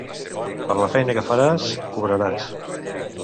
Per la feina que faràs, cobraràs.